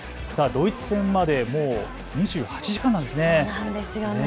ドイツ戦までもう２８時間なんですね。